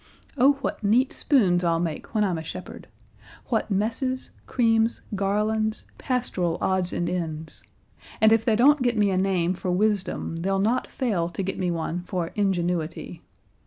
O what neat spoons I'll make when I'm a shepherd! What messes, creams, garlands, pastoral odds and ends! And if they don't get me a name for wisdom, they'll not fail to get me one for ingenuity.